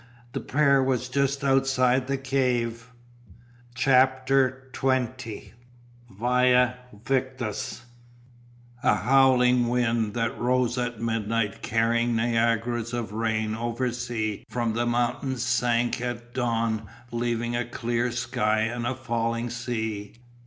The pair was just outside the cave. CHAPTER XX VÆ VICTIS A Howling wind that rose at midnight carrying niagaras of rain oversea from the mountains sank at dawn leaving a clear sky and a falling sea.